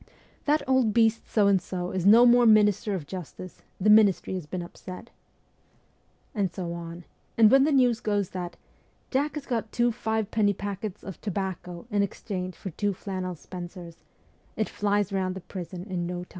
' That old beast So and So is no more minister of justice : the ministry has been upset.' And so on ; and when the news goes that ' Jack has got two five penny packets of tobacco in exchange for two flannel spencers,' it flies round the prison in no time.